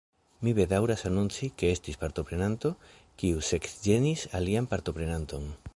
Mi bedaŭras anonci, ke estis partoprenanto, kiu seksĝenis alian partoprenanton.